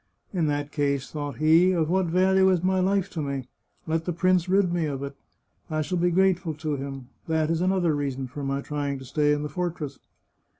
" In that case," thought he, " of what value is my life to me? Let the prince rid me of it. I shall be grateful to him. That is another reason for my staying in the fortress."